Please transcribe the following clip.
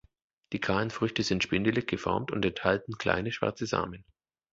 Die kahlen Früchte sind spindelig geformt und enthalten kleine, schwarze Samen.